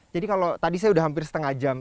jadi kalau tadi saya udah hampir setengah jam